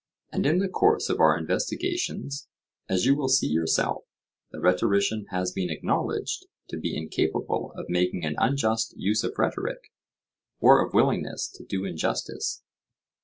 And in the course of our investigations, as you will see yourself, the rhetorician has been acknowledged to be incapable of making an unjust use of rhetoric, or of willingness to do injustice.